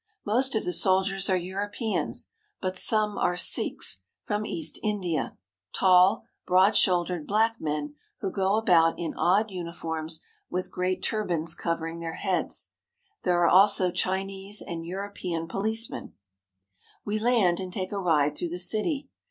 Most of the soldiers are Europeans, but some are Sikhs from East i8o FOREIGN COLONIES IN CHINA India, tall, broad shouldered, black men who go about in odd uniforms with great turbans covering their heads. There are also Chinese and European policemen. We land and take a ride through the city.